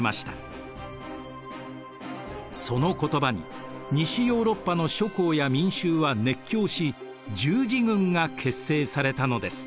その言葉に西ヨーロッパの諸侯や民衆は熱狂し十字軍が結成されたのです。